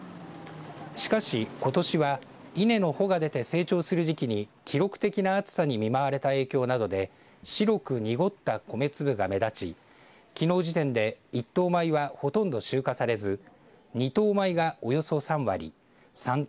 しかし、ことしは稲の穂が出て成長する時期に記録的の暑さに見舞われた影響などで白く濁った米粒が目立ちきのう時点で１等米はほとんど集荷されず２等米がおよそ３割３等